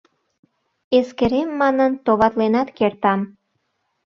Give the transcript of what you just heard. — Эскерем манын товатленат кертам.